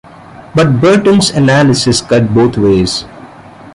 But Burton's analysis cut both ways.